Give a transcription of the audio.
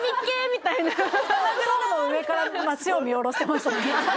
みたいな塔の上から町を見下ろしてましたよね